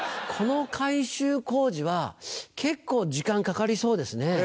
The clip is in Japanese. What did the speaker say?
この改修工事は結構時間かかりそうですね。